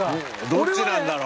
どっちなんだろう？